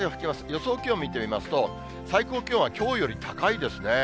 予想気温見てみますと、最高気温はきょうよりも高いですね。